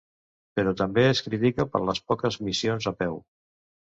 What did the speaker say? Però també es critica per les poques missions 'a peu'.